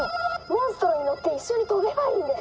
「モンストロに乗って一緒に飛べばいいんです！」。